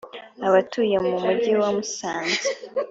Abatuye mu mujyi wa Musanze